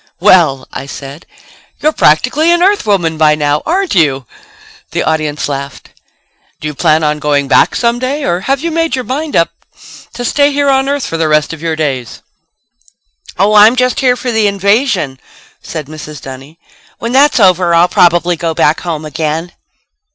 "Well," I said, "you're practically an Earthwoman by now, aren't you?" The audience laughed. "Do you plan on going back someday or have you made up your mind to stay here on Earth for the rest of your days?" "Oh, I'm just here for the invasion," said Mrs. Dunny. "When that's over I'll probably go back home again."